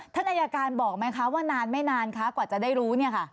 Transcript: อ๋อถ้านายการบอกไหมคะว่านานไม่นานกว่าจะได้รู้